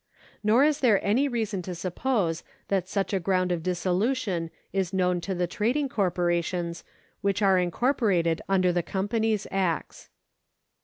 Nor is there any reason to suppose that such a ground of dissolution is knowTi to the trading corporations which are incorporated imder the Companies Acts.